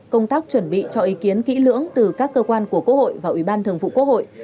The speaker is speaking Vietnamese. công tác chuẩn bị cho ý kiến kỹ lưỡng từ các cơ quan của quốc hội và ủy ban thường vụ quốc hội